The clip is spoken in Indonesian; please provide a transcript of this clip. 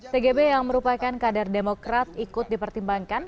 tgb yang merupakan kader demokrat ikut dipertimbangkan